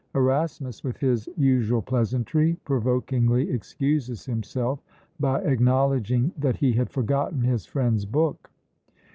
Erasmus, with his usual pleasantry, provokingly excuses himself, by acknowledging that he had forgotten his friend's book!